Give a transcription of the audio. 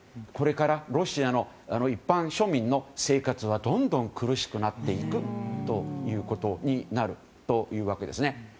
これからロシアの一般庶民の生活はどんどん苦しくなっていくということになるわけですね。